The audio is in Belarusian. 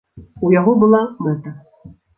У яго была мэта.